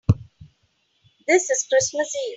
This is Christmas Eve.